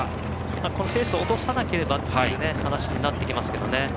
このペースを落とさなければという話になってきますけどね。